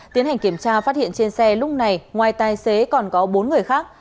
tiến hành kiểm tra phát hiện trên xe lúc này ngoài tài xế còn có bốn người khác